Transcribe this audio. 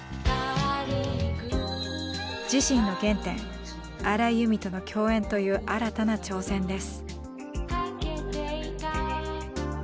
自身の原点荒井由実との共演という新たな挑戦です。